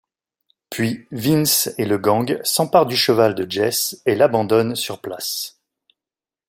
Puis, Vince et le gang s'emparent du cheval de Jess et l'abandonnent sur place.